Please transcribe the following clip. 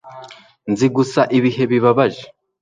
nzi gusa ibihe bibabaje